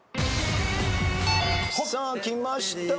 さあきました。